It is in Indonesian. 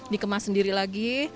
dikemas sendiri lagi